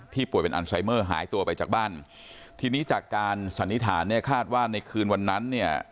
ป่วยเป็นอันไซเมอร์หายตัวไปจากบ้านทีนี้จากการสันนิษฐานเนี่ยคาดว่าในคืนวันนั้นเนี่ย